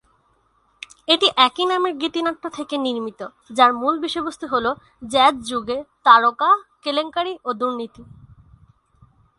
এটি একই নামের গীতিনাট্য থেকে নির্মিত, যার মূল বিষয়বস্তু হল জ্যাজ যুগে তারকা, কেলেঙ্কারি, ও দুর্নীতি।